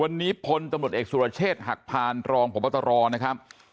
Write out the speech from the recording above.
วันนี้พลตำรวจเอกสุรเชษฐ์หักพานรองพบตรนะครับ